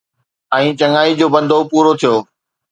۽ چڱائي جو بندو پورو ٿيو